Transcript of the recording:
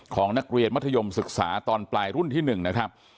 ของนักเรียนมัธยมศึกษาตอนปลายรุ่นที่๑นะครับ